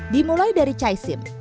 dimulai dari caisip